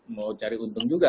mau cari untung juga